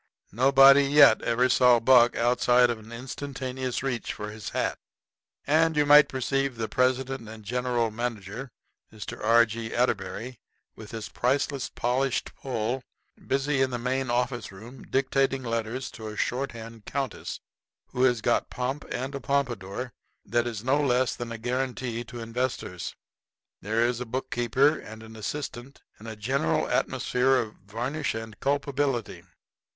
Nobody yet ever saw Buck outside of an instantaneous reach for his hat. And you might perceive the president and general manager, Mr. R. G. Atterbury, with his priceless polished poll, busy in the main office room dictating letters to a shorthand countess, who has got pomp and a pompadour that is no less than a guarantee to investors. [Illustration: Busy in the main office room dictating letters to a shorthand countess.] There is a bookkeeper and an assistant, and a general atmosphere of varnish and culpability.